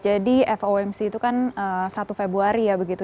jadi fomc itu kan satu februari ya begitu